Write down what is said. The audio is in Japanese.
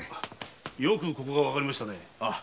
よくここがわかりましたね。